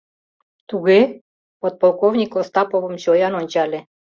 Туге? — подполковник Остаповым чоян ончале.